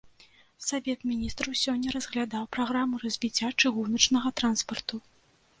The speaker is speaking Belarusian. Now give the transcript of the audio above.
Савет міністраў сёння разглядаў праграму развіцця чыгуначнага транспарту.